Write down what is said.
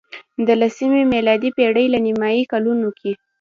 د لسمې میلادي پېړۍ په نیمايي کلونو کې.